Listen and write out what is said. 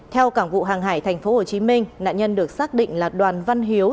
theo cảng vụ hàng hải tp hcm nạn nhân được xác định là đoàn văn hiếu